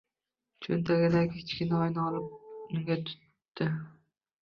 Cho`ntagidan kichkina oyna olib unga tutdi